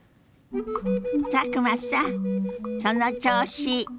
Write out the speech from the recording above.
佐久間さんその調子！